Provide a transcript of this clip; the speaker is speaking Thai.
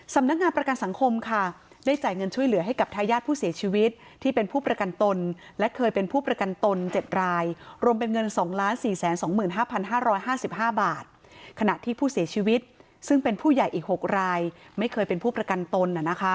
สำนักงานประกันสังคมค่ะได้จ่ายเงินช่วยเหลือให้กับทายาทผู้เสียชีวิตที่เป็นผู้ประกันตนและเคยเป็นผู้ประกันตน๗รายรวมเป็นเงิน๒๔๒๕๕๕บาทขณะที่ผู้เสียชีวิตซึ่งเป็นผู้ใหญ่อีก๖รายไม่เคยเป็นผู้ประกันตน